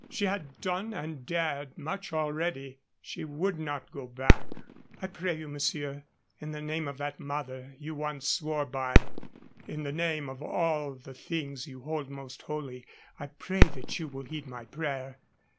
She had done and dared much already. She would not go back. "I pray you, monsieur, in the name of that mother you once swore by in the name of all the things you hold most holy I pray that you will heed my prayer.